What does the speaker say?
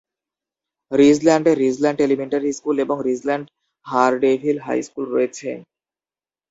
রিজল্যান্ডে Ridgeland elementary school এবং Ridgeland Hardeeville high school রয়েছে।